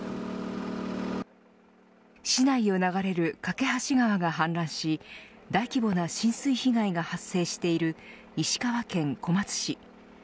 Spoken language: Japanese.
市内を流れる梯川が氾濫し大規模な浸水被害が発生している石川県小松市。